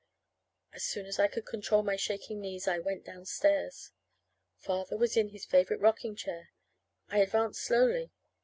As soon as I could control my shaking knees, I went downstairs. Father was in his favorite rocking chair. I advanced slowly.